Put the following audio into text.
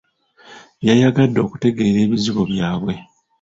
Yayagadde okutegeera ebizibu byabwe.